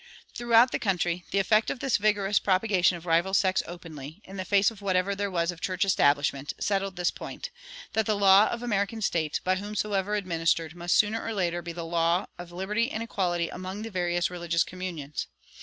Throughout the country the effect of this vigorous propagation of rival sects openly, in the face of whatever there was of church establishment, settled this point: that the law of American States, by whomsoever administered, must sooner or later be the law of liberty and equality among the various religious communions.